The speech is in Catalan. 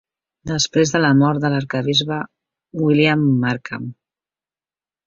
Després de la mort de l'arquebisbe William Markham.